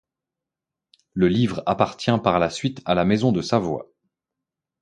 Le livre appartient par la suite à la maison de Savoie.